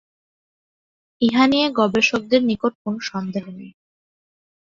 ইহা নিয়ে গবেষকদের নিকট কোনো সন্দেহ নেই।